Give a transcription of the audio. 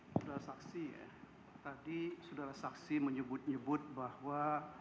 sudara saksi ya tadi sudara saksi menyebut nyebut bahwa